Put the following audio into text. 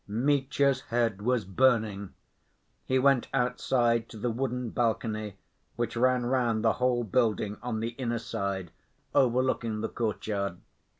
Mitya's head was burning. He went outside to the wooden balcony which ran round the whole building on the inner side, overlooking the courtyard.